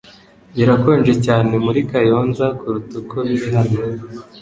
Birakonje cyane muri Kayonza kuruta uko biri hano .